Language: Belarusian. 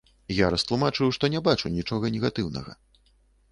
Я растлумачыў, што не бачу нічога негатыўнага.